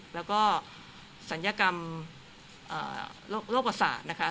แล้วก็ศัลยกรรมโรคประสาทนะคะ